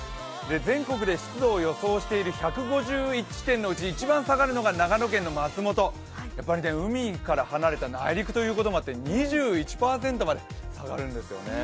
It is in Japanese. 全国で湿度を予想している１５１地点のうち一番下がるのが長野県の松本海から離れた内陸ということもあって２１％まで下がるんですよね。